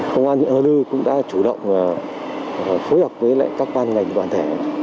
công an huyện hoa lư cũng đã chủ động phối hợp với các ban ngành đoàn thể